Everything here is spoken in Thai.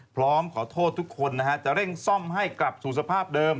พร้อมขอโทษทุกคนนะฮะจะเร่งซ่อมให้กลับสู่สภาพเดิม